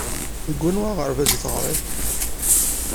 Deg anwa aɣerbaz i teɣriḍ?